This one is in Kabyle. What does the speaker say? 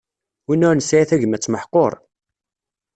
Win ur nesɛi tagmat meḥqur.